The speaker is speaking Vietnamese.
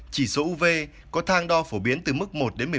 chỉ số uv có thang đo phổ biến từ mức một một mươi một